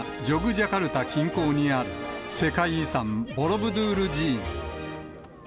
ジャカルタ近郊にある世界遺産、ボロブドゥール寺院。